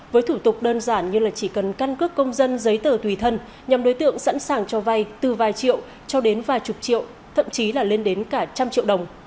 với thủ tục đơn giản như là chỉ cần căn cước công dân giấy tờ tùy thân nhằm đối tượng sẵn sàng cho vay từ vài triệu cho đến vài chục triệu thậm chí là lên đến cả trăm triệu đồng